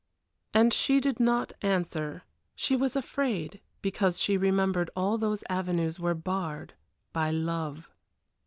And she did not answer; she was afraid, because she remembered all those avenues were barred by love.